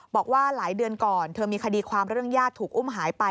บอกว่าหลายเดือนก่อนเธอมีคดีความเรื่องญาติถูกอุ้มหายไป